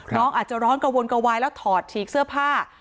น้องอาจจะร้อนกระวนกระวายแล้วถอดฉีกเสื้อผ้า